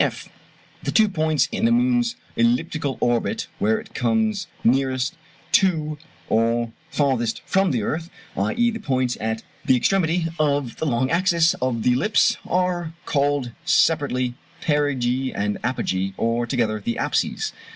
(f) The two points in the moon's elliptic orbit where it comes nearest to or farthest from the earth, i.e. the points at the extremity of the long axis of the ellipse, are called separately perigee and apogee, or together "the apses."